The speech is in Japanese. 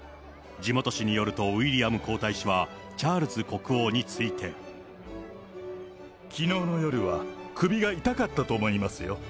地元紙によると、ウィリアム皇太子はチャールズ国王について。きのうの夜は首が痛かったと思いますよ。